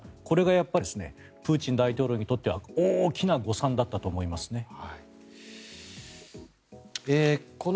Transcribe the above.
これがプーチン大統領にとっては大きな誤算だったと思いますね。